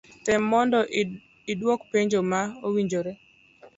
Tem momdo iduok penjo ma owinjore.